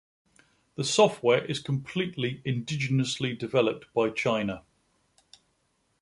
The software is completely indigenously developed by China.